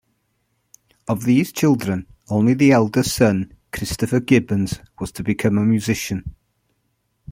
Of these children only the eldest son, Christopher Gibbons, was to become a musician.